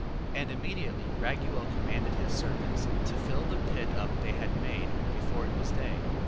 8:20. And immediately Raguel commanded his servants, to fill up the pit they had made, before it was day.